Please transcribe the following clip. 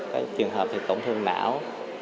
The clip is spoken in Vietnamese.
các trường hợp thì tổn thương não